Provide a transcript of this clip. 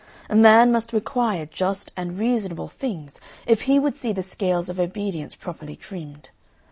A man must require just and reasonable things if he would see the scales of obedience properly trimmed.